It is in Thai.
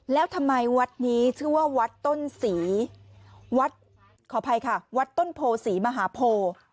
แล้วทำไมวัดนี้ชื่อว่าวัดต้นศรีวัดขออภัยค่ะวัดต้นโพศรีมหาโพ